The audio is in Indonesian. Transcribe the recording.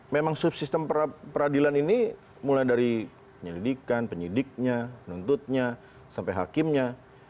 memang subsistem peradilan ini mulai dari penyelidikan penyidiknya penuntutnya sampai hakimnya